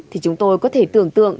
thì chúng tôi có thể tưởng tượng